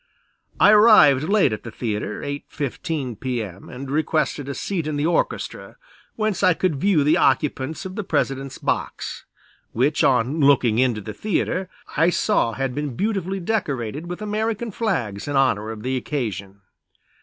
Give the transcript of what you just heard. I arrived late at the theatre, 8.15 p. m., and requested a seat in the orchestra, whence I could view the occupants of the President's box, which on looking into the theatre, I saw had been beautifully decorated with American flags in honor of the occasion.